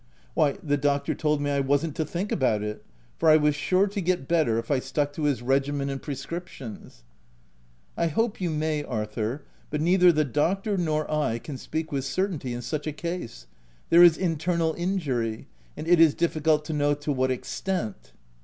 ''" Why the doctor told me I wasn't to think about it, for I was sure to get better, if I stuck to his regimen and prescriptions." " I hope you may, Arthur, but neither the doctor nor I can speak with certainty in such a case : there is internal injury, and it is difficult to know to what extent.'